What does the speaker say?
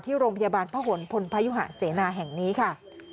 ที่โรงพยาบาลพระหลพลพยุหะเสนาแห่งนี้ค่ะ